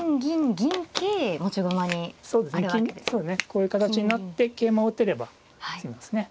こういう形になって桂馬を打てれば詰みますね。